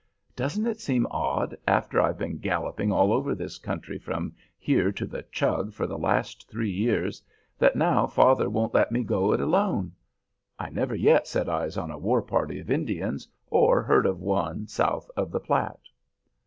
"Doesn't it seem odd, after I've been galloping all over this country from here to the Chug for the last three years, that now father won't let me go it alone. I never yet set eyes on a war party of Indians, or heard of one south of the Platte."